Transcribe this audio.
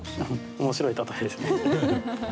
面白い例えですね。